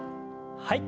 はい。